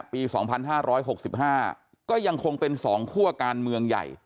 ปีสองพันห้าร้อยหกสิบห้าก็ยังคงเป็นสองคั่วการเมืองใหญ่